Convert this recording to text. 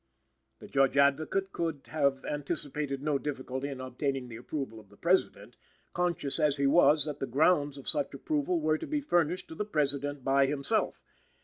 The Judge Advocate could have anticipated no difficulty in obtaining the approval of the President, conscious as he was that the grounds of such approval were to be furnished to the President by himself.